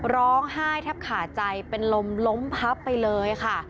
ร้องไห้แทบขาดใจเป็นลมล้มพับไปเลยค่ะ